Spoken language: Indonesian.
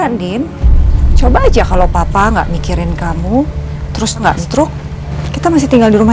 andin coba aja kalau papa nggak mikirin kamu terus nggak stroke kita masih tinggal di rumah